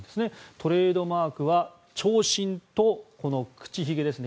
トレードマークは長身と口ひげですね。